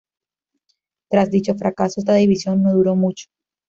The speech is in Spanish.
Tras dicho fracaso esta división no duró mucho.